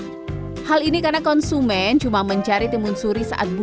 memiliki kekuatan untuk memiliki kekuatan untuk memiliki kekuatan untuk memiliki kekuatan untuk